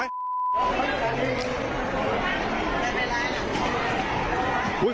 ไม่เป็นไรละ